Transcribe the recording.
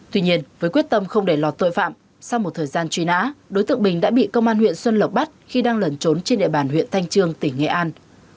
tuy nhiên với quyết tâm không để lọt tội phạm sau một thời gian truy nã đối tượng bình đã bị công an huyện xuân lộc bắt khi đang lẩn trốn trên địa bàn huyện thanh trương tỉnh nghệ an